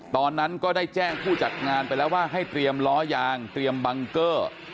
ตอนนั้นก็ได้แจ้งผู้จัดงานไปแล้วว่าให้เตรียมล้อยางเตรียมบังเกอร์